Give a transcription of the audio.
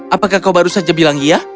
apakah kau baru saja bilang iya